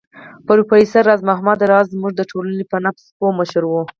پروفېسر راز محمد راز زموږ د ټولنې په نبض پوه مشر و